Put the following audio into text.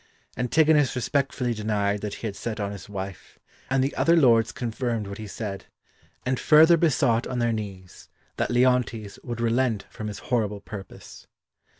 ] Antigonus respectfully denied that he had set on his wife, and the other lords confirmed what he said, and further besought on their knees that Leontes would relent from his horrible purpose.